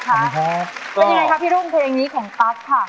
เป็นยังไงครับพี่รุ่งเพลงนี้ของตั๊กค่ะ